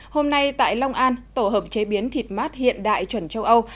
hôm nay tại long an tổ hợp chế biến thịt mát hiện đại chuẩn châu âu